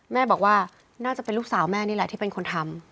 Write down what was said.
แม่บอกว่าน่าจะเป็นลูกสาวแม่นี่แหละที่เป็นคนทำ